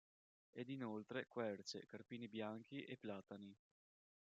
Ed inoltre querce, carpini bianchi e platani.